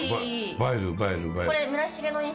映える映える。